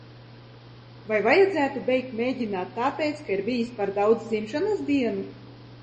Vai vajadzētu beigt mēģināt tāpēc, ka ir bijis par daudz dzimšanas dienu?